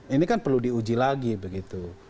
ini kan perlu diuji lagi begitu